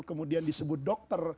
kemudian disebut dokter